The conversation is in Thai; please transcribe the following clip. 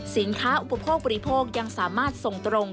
อุปโภคบริโภคยังสามารถส่งตรง